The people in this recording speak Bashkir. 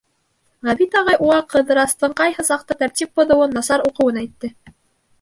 Ғәбит ағай уға Ҡыҙырастың ҡайһы саҡта тәртип боҙоуын, насар уҡыуын әйтте.